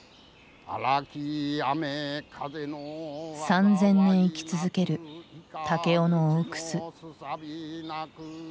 ３，０００年生き続ける武雄の大楠。